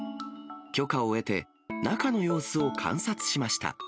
許可を得て、中の様子を観察しま